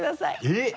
えっ？